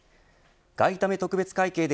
外為特別会計で